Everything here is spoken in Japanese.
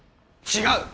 違う！